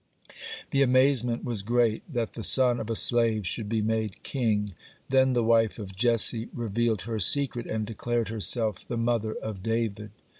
The amazement was great that the son of a slave should be made king. Then the wife of Jesse revealed her secret, and declared herself the mother of David.